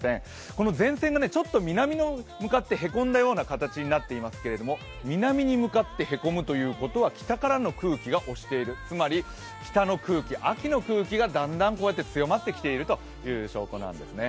この前線がちょっと南に向かってへこんだような形になっていますけれども南に向かってへこむということは北からの空気が押しているつまり北の空気、秋の空気がだんだん強まってきているという証拠なんですね。